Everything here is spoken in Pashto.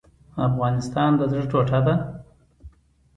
افغانستان د زړه ټوټه ده؟